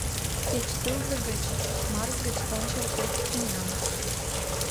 Кеч Тылзе гыч, Марс гыч ончал тый тӱням —